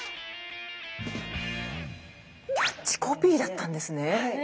キャッチコピーだったんですね。